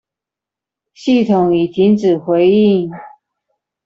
系統已停止回應